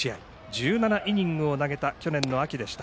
１７イニングを投げた去年の秋でした。